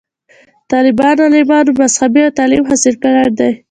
طالب علمانومذهبي تعليم حاصل کړے دے